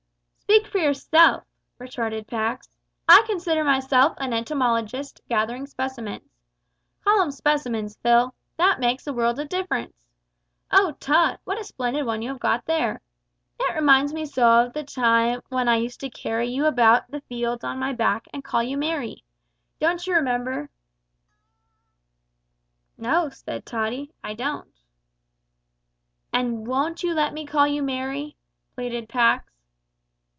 "Speak for yourself," retorted Pax; "I consider myself an entomologist gathering specimens. Call 'em specimens, Phil; that makes a world of difference. Oh, Tot! what a splendid one you have got there! It reminds me so of the time when I used to carry you about the fields on my back, and call you Merry. Don't you remember?" "No," said Tottie, "I don't." "And won't you let me call you Merry?" pleaded Pax.